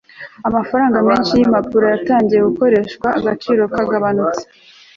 amafaranga menshi yimpapuro yatangiye gukoreshwa, agaciro kagabanutse